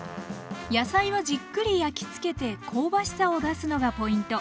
野菜はじっくり焼き付けて香ばしさを出すのがポイント。